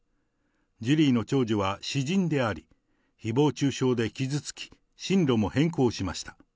ジュリーの長女は私人であり、ひぼう中傷で傷つき、進路も変更しました。